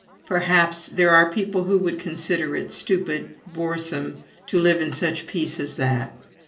Perhaps there are people who would consider it stupid, boresome, to live in such peace as that.